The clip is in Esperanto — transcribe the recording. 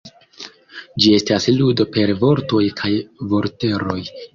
Ĝi estas ludo per vortoj kaj vorteroj.